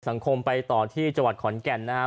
สังคมไปต่อที่จังหวัดขอนแก่นนะฮะ